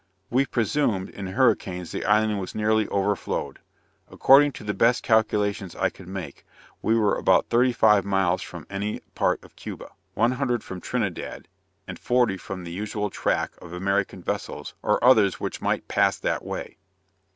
We presumed, in hurricanes the island was nearly overflowed. According to the best calculations I could make, we were about thirty five miles from any part of Cuba, one hundred from Trinidad and forty from the usual track of American vessels, or others which might pass that way.